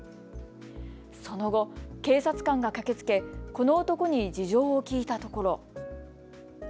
その後、警察官が駆けつけこの男に事情を聞いたところ。